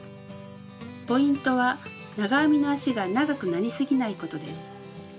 ポイントは長編みの足が長くなりすぎないことです。